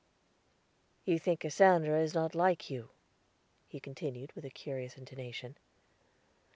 "You think Cassandra is not like you," he continued with a curious intonation.